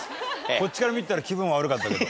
こっちから見てたら気分悪かったけど。